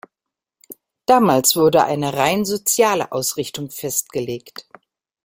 Damals wurde eine rein soziale Ausrichtung festgelegt.